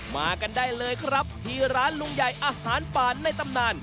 มากันได้เลยครับที่ร้านลุงใหญ่อาหารป่าในตำนาน